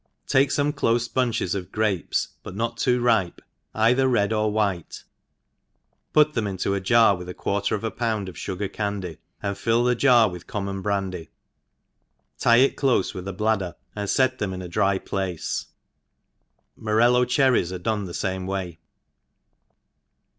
TAKl^ fdme clofe bunches of grapes, but pot too ripe, either red or white* put them into a jai with a quarter of a pound of fugar candy* and fill the jar With common brandy, lie it clofe with a bladder, and fet thkia in a dry place* Morello cherries are done the fame way.